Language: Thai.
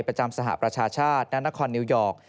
ประจำสหประชาชาติณนครนิวยอร์ก